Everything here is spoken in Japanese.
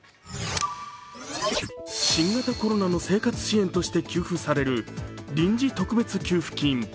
新型コロナの生活支援として給付される臨時特別給付金。